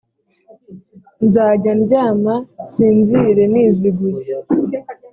nzajya ndyama nsinzire niziguye